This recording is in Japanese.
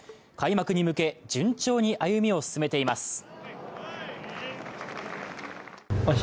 開幕に向け、順調に歩みを進めています。